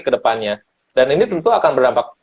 kedepannya dan ini tentu akan berdampak